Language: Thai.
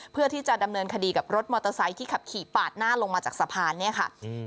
เพื่อที่จะดำเนินคดีกับรถมอเตอร์ไซค์ที่ขับขี่ปาดหน้าลงมาจากสะพานเนี่ยค่ะ